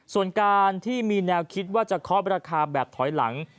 ส่วนการที่มีแนวคิดว่าจะเคาะราคาแบบถอยหลัง